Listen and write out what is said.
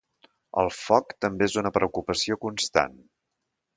El foc també és una preocupació constant.